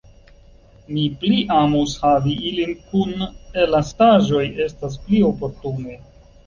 Mi pli amus havi ilin kun elastaĵoj, estas pli oportune.